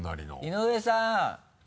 井上さん。